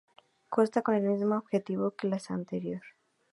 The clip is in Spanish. Costa con el mismo objetivo que la anterior.